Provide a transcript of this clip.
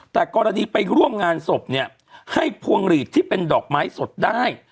แต่กรณีไปร่วมงานศพเนี่ยให้พวงหลีดที่เป็นดอกไม้สดได้